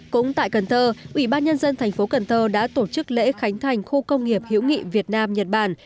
cũng tại cần thơ ủy ban nhân dân thành phố cần thơ đã tổ chức lễ khánh thành khu công nghiệp hiểu nghị việt nam nhật bản